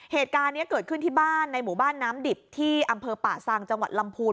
เหตุการณ์นี้เกิดขึ้นที่บ้านในหมู่บ้านน้ำดิบที่อำเภอป่าซังจังหวัดลำพูน